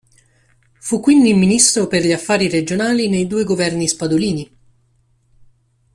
Fu quindi Ministro per gli affari regionali nei due governi Spadolini.